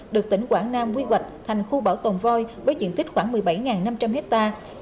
được tỉnh quảng nam quy hoạch thành khu bảo tồn voi với diện tích khoảng một mươi bảy năm trăm linh hectare